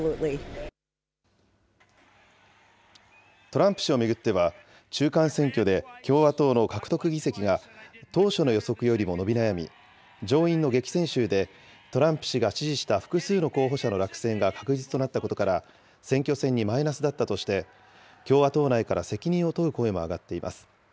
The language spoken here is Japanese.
トランプ氏を巡っては、中間選挙で、共和党の獲得議席が当初の予測よりも伸び悩み、上院の激戦州でトランプ氏が支持した複数の候補者の落選が確実となったことから、選挙戦にマイナスだったとして、共和党内から責任を問う声も上がっています。